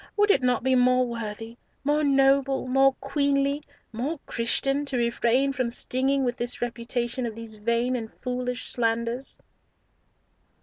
would it not be more worthy, more noble, more queenly, more Christian, to refrain from stinging with this repetition of these vain and foolish slanders?"